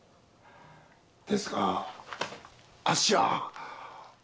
ですがあっしは！